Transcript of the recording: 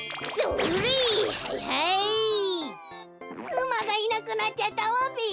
うまがいなくなっちゃったわべ。